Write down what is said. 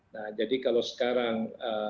nah jadi kalau sekarang